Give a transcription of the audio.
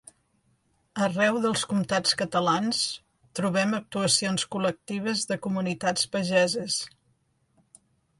Arreu dels comtats catalans trobem actuacions col·lectives de comunitats pageses.